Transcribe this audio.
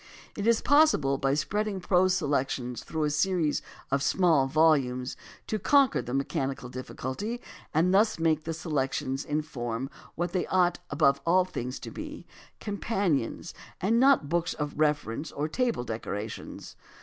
It is possible by spreading prose selections through a series of small volumes to conquer the mechanical difficulty and thus make the selections in form what they ought above all things to be — companions and not books of reference or table decorations.